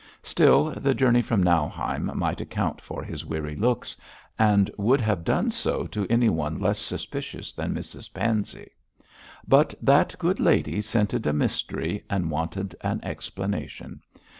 Still, the journey from Nauheim might account for his weary looks, and would have done so to anyone less suspicious than Mrs Pansey; but that good lady scented a mystery, and wanted an explanation.